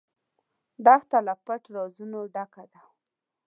دښته له پټ رازونو ډکه ده.